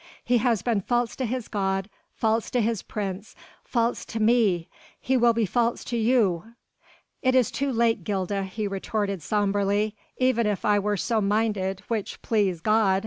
He has been false to his God, false to his prince, false to me! he will be false to you!" "It is too late, Gilda," he retorted sombrely, "even if I were so minded, which please God!